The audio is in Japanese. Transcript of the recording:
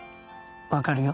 分かるよ。